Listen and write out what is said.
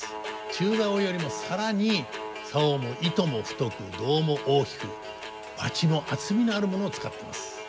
中棹よりも更に棹も糸も太く胴も大きくバチも厚みのあるものを使ってます。